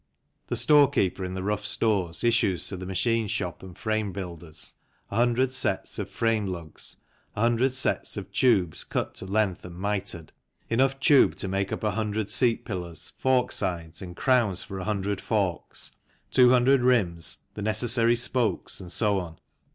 The storekeeper in the rough stores issues to the machine shop and frame builders 100 sets of frame lugs, 100 sets of tubes cut to length and mitred, enough tube to make up 100 seat pillars, fork sides, and crowns for 100 forks, 200 rims, the necessary spokes, and so on.